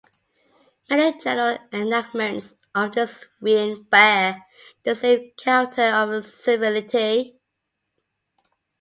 Many general enactments of this reign bear the same character of servility.